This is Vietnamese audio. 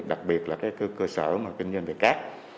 đặc biệt là cơ sở kinh doanh về cát